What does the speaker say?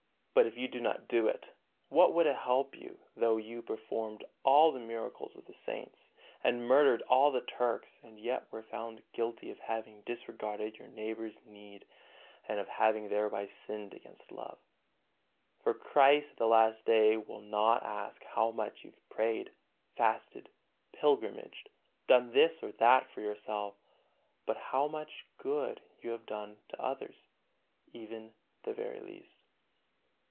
But if you do it not, what would it help you though you performed all the miracles of the saints, and murdered all the Turks, and yet were found guilty of having disregarded your neighbor's need and of having thereby sinned against love? For Christ at the last day will not ask how much you have prayed, fasted, pilgrimaged, done this or that for yourself, but how much good you have done to others, even the very least.